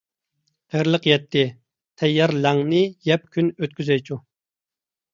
قىرىلىق يەتتى، تەييار «لەڭ»نى يەپ كۈن ئۆتكۈزەيچۇ!